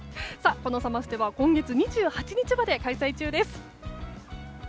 このサマステは今月２８日まで開催中です。